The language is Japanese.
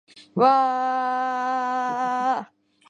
わーーーーーーーー